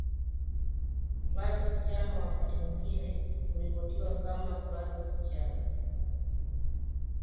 Clatous Chama wakati mwingine huripotiwa kama Cletus Chama